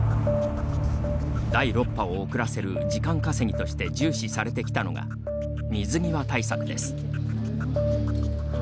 第６波を遅らせる時間稼ぎとして重視されてきたのが水際対策です。